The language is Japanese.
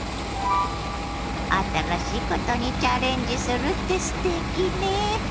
新しいことにチャレンジするってすてきね。